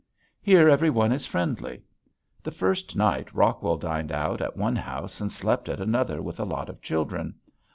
Here everyone is friendly. The first night Rockwell dined out at one house and slept at another with a lot of children.